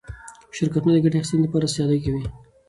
شرکتونه د ګټې اخیستنې لپاره سیالي کوي.